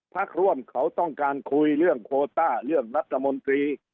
พักร่วมเขาต้องการคุยเรื่องโคต้าเรื่องรัฐมนตรี